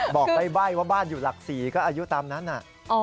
บอกใบ้ว่าบ้านอยู่หลัก๔ก็อายุตามนั้นน่ะ